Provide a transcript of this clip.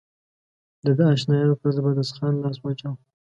د ده اشنایانو پر زبردست خان لاس واچاوه.